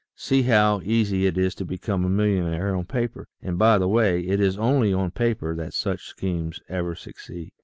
See how easy it is to become a millionaire on paper, and by the way, it is only on paper that such schemes ever succeed.